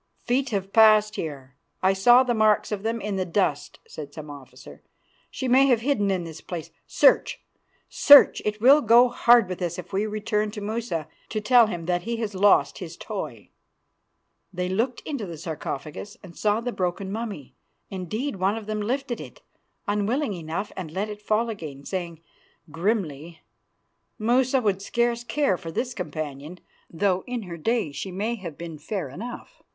"'Feet have passed here; I saw the marks of them in the dust,' said the officer. 'She may have hidden in this place. Search! Search! It will go hard with us if we return to Musa to tell him that he has lost his toy.' "They looked into the sarcophagus and saw the broken mummy. Indeed, one of them lifted it, unwillingly enough, and let it fall again, saying grimly, "'Musa would scarce care for this companion, though in her day she may have been fair enough.